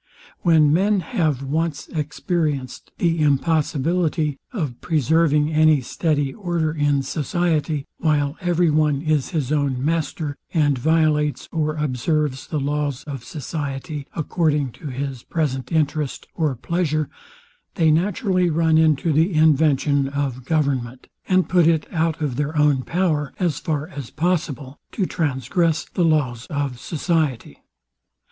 When men have once experienced the impossibility of preserving any steady order in society, while every one is his own master, and violates or observes the laws of society, according to his present interest or pleasure, they naturally run into the invention of government, and put it out of their own power, as far as possible, to transgress the laws of society.